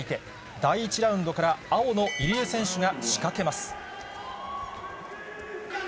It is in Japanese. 第１ラウンドから青の入江選手が仕掛けます。